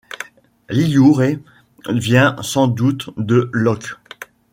Lioure vient sans doute de l'occ.